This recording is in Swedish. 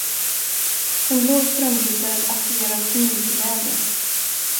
Den blå strömbrytaren aktiverar smygläge.